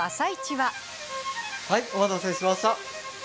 はい、お待たせしました。